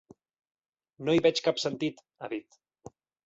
No hi veig cap sentit, ha dit.